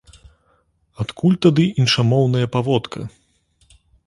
Адкуль тады іншамоўныя паводка?